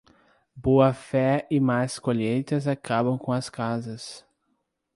Boa fé e más colheitas acabam com as casas.